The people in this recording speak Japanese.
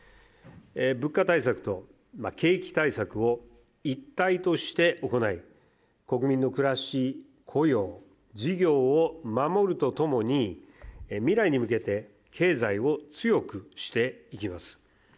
物価対策と景気対策を一体として行い、国民の暮らし、雇用、事業を守るとともに未来に向けて経済を強くしていきます。